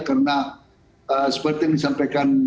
karena seperti yang disampaikan